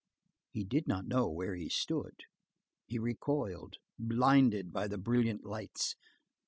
He did not know where he stood. He recoiled, blinded by the brilliant lights.